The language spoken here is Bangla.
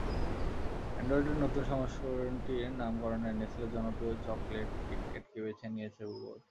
অ্যান্ড্রয়েডের নতুন সংস্করণটির নামকরণে নেসলের জনপ্রিয় চকলেট কিটক্যাটকে বেছে নিয়েছে গুগল।